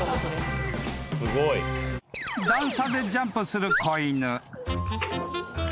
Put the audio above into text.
［段差でジャンプする子犬］